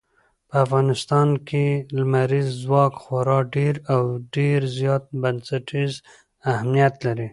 په افغانستان کې لمریز ځواک خورا ډېر او ډېر زیات بنسټیز اهمیت لري.